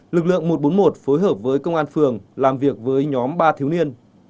lực lượng một bốn một phối hợp với công an phường làm việc với nhóm ba thiếu niên